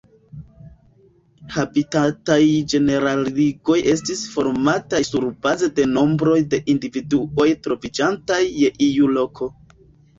Habitataj ĝeneraligoj estis formataj surbaze de nombroj de individuoj troviĝantaj je iu loko.